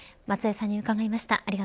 松江さんに伺いました。